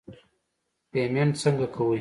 پیمنټ څنګه کوې.